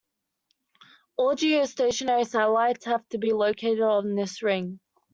All geostationary satellites have to be located on this ring.